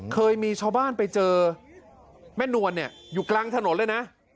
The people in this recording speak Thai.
เคยมีชาวบ้านไปเจอแม่นวลเนี่ยอยู่กลางถนนเลยนะ